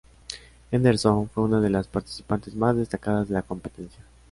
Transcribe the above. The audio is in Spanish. Henderson fue una de las participantes más destacadas de la competencia.